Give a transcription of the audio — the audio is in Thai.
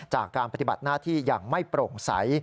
จากการปฏิบัติหน้าที่อย่างไม่โปร่งใส